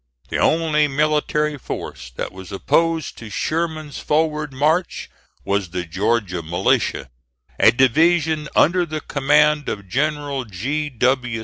The only military force that was opposed to Sherman's forward march was the Georgia militia, a division under the command of General G. W.